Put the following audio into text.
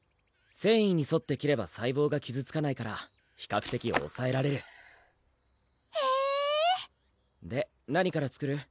繊維にそって切れば細胞が傷つかないから比較的おさえられるへぇで何から作る？